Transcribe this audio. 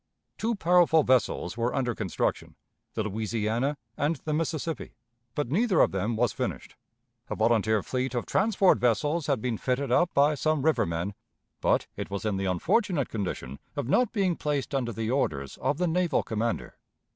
Two powerful vessels were under construction, the Louisiana and the Mississippi, but neither of them was finished. A volunteer fleet of transport vessels had been fitted up by some river men, but it was in the unfortunate condition of not being placed under the orders of the naval commander.